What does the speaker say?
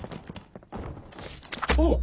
おっ。